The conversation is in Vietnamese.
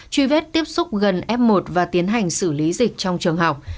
truy vết tiếp xúc gần f một và tiến hành xử lý dịch trong trường học